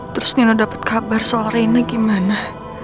terus nino dapet kabar soal reina gimana